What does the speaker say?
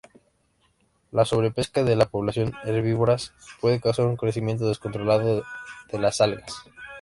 La sobrepesca de las poblaciones herbívoras puede causar un crecimiento descontrolado de las algas.